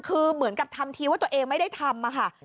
คือเหมือนกับทำทีว่าตัวเองไม่ได้ทำค่ะ